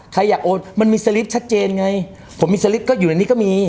ใครอยากโอนมันมีสลิปชัดเจนไงผมมีสลิปก็อยู่ในนี้ก็มี